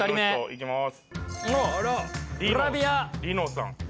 いきまーす。